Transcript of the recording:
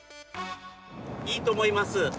いいと思います。